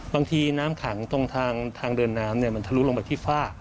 น้ำขังตรงทางเดินน้ำมันทะลุลงไปที่ฝ้า